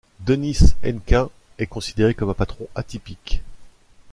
Denis Hennequin est considéré comme un patron atypique.